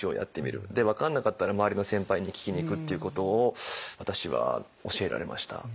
で分かんなかったら周りの先輩に聞きにいくっていうことを私は教えられました。